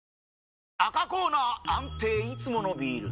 赤コーナー安定いつものビール！